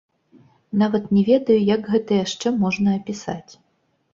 Нават не ведаю, як гэта яшчэ можна апісаць!